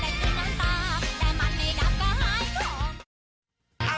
ขอมันแห้ง